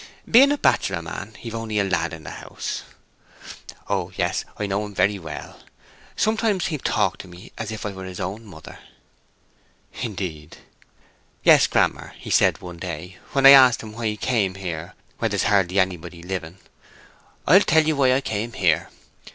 Being a bachelor man, he've only a lad in the house. Oh yes, I know him very well. Sometimes he'll talk to me as if I were his own mother." "Indeed." "Yes. 'Grammer,' he said one day, when I asked him why he came here where there's hardly anybody living, 'I'll tell you why I came here.